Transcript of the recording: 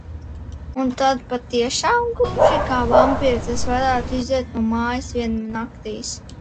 Un tad patiešām gluži kā vampīrs es varētu iziet no mājas vien naktīs.